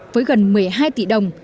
với gần một mươi hai tỷ đồng